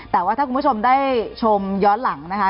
แต่ว่าถ้าคุณผู้ชมได้ชมย้อนหลังนะคะ